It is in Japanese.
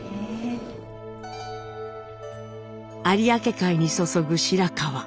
有明海に注ぐ白川。